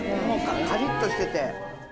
カリッとしてて。